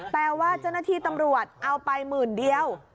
แปลว่าเจ้าหน้าที่ตำรวจเอาไปหมื่นเดียว